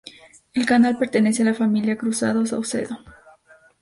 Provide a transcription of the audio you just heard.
El canal pertenece a la familia Cruzado Saucedo.